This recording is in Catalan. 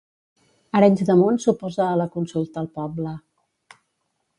Arenys de Munt s'oposa a la consulta al poble